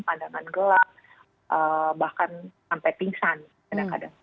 pandangan gelap bahkan sampai pingsan kadang kadang